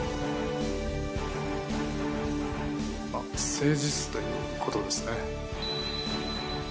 誠実ということですね。